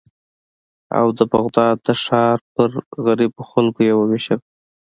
او د بغداد د ښار پر غریبو خلکو یې ووېشل.